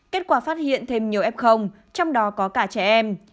kết quả phát hiện thêm nhiều f trong đó có cả trẻ em